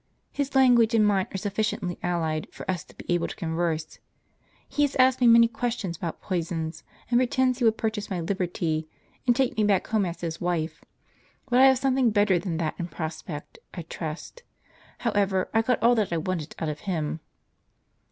His language and mine are sufficiently allied for us to be able to converse. He has asked me many questions about poisons, and pretended he would purchase my liberty, and take me back home as his wife ; but I have some thing better than that in prospect, I trust. However, I got all that I wanted out from him."